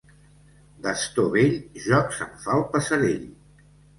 D'astor vell, joc se'n fa el passerell.